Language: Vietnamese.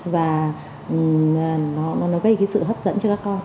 và nó gây cái sự hấp dẫn cho các con